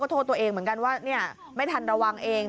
โทษตัวเองเหมือนกันว่าไม่ทันระวังเอง